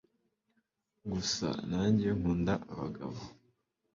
gusa nange nkunda abagabo